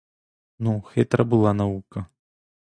Ну, хитра була наука!